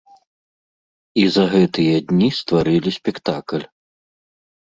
І за гэтыя дні стварылі спектакль.